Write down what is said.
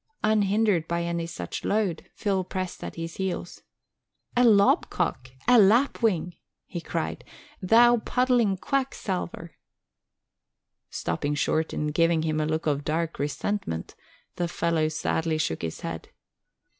Unhindered by any such load, Phil pressed at his heels. "'A lobcock'? 'A lapwing'?" he cried. "Thou puddling quacksalver " Stopping short and giving him a look of dark resentment, the fellow sadly shook his head.